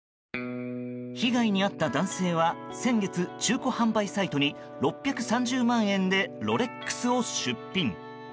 被害に遭った男性は先月、中古販売サイトに６３０万円でロレックスを出品。